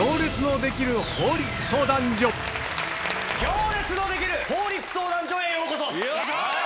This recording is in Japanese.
『行列のできる法律相談所』へようこそ！